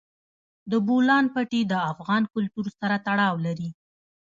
د بولان پټي د افغان کلتور سره تړاو لري.